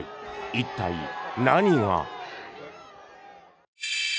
一体、何が？